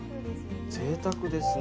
ぜいたくですよね。